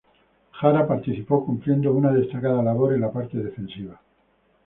Jara participó cumpliendo una destacada labor en la parte defensiva.